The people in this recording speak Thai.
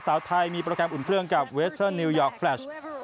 สาวไทยมีโปรแกรมอุ่นเครื่องกับเวสเซอร์นิวยอร์กแลช